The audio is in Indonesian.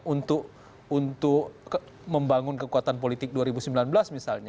untuk membangun kekuatan politik dua ribu sembilan belas misalnya